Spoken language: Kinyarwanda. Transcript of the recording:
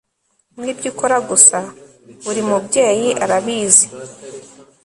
nibyo ukora gusa, buri mubyeyi arabizi